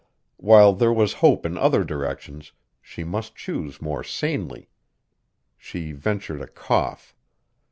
While there was hope in other directions, she must choose more sanely. She ventured a cough.